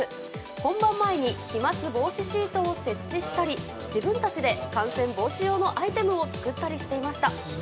本番前に飛沫防止シートを設置したり自分たちで感染防止用のアイテムを作ったりしていました。